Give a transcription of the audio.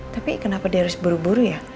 tapi kenapa dia harus buru buru ya